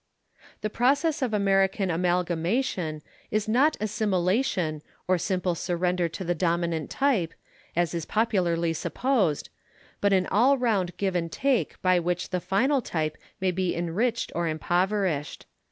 The process of American amalgamation is not assimilation or simple surrender to the dominant type, as is popularly supposed, but an all round give and take by which the final type may be enriched or impoverished.